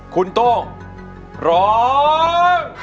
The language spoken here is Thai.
คุณโต้งร้อง